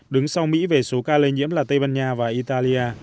đứng sau mỹ về số ca lây nhiễm là tây ban nha và italia